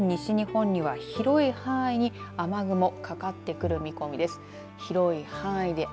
そして、午後にかけて西日本には広い範囲に雨雲かかってくる見込みです。